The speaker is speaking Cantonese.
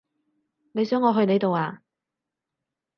你想我去你度呀？